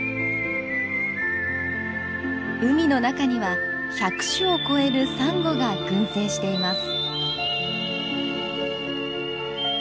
海の中には１００種を超えるサンゴが群生しています。